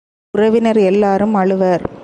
உறவினர் எல்லாரும் அழுவர்.